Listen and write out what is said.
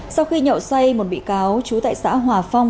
sau khi nhậu xoay một bị cáo chú tại xã hòa phong